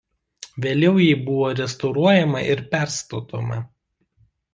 Vėliau ji buvo restauruojama ir perstatoma.